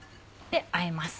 あえます。